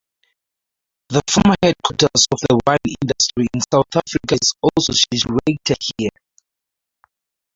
The former headquarters of the wine industry in South Africa is also situated here.